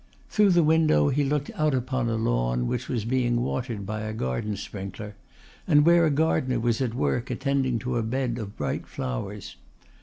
Through the window he looked out upon a lawn which was being watered by a garden sprinkler, and where a gardener was at work attending to a bed of bright flowers.